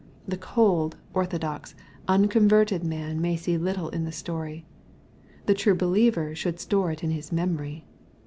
The cold, orthodox, unconverted man may see little in the story. The true believer should store it in his memory.